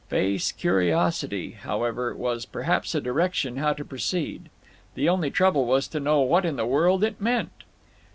"Face curiosity," however, was perhaps a direction how to proceed. The only trouble was to know what in the world it meant!